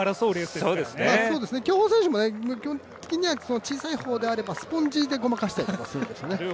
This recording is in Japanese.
競歩選手も基本的には小さい方であればスポンジでごまかしたりするんですよね。